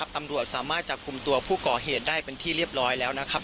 ตำรวจสามารถจับกลุ่มตัวผู้ก่อเหตุได้เป็นที่เรียบร้อยแล้วนะครับ